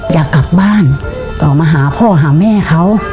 อยากกลับบ้านก็มาหาพ่อหาแม่เขา